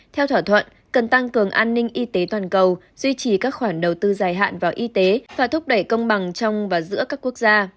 theo thỏa thuận cần tăng cường an ninh y tế toàn cầu duy trì các khoản đầu tư dài hạn vào y tế và thúc đẩy công bằng trong và giữa các quốc gia